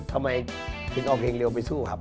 ทำไมถึงเอาเพลงเร็วไปสู้ครับ